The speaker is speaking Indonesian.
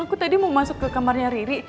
aku tadi mau masuk ke kamarnya riri